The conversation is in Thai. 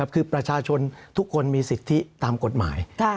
คือประชาชนทุกคนมีสิทธิตามกฎหมาย